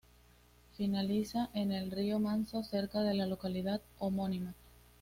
Finaliza en el río Manso, cerca de la localidad homónima.